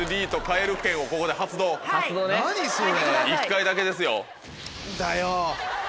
１回だけですよ。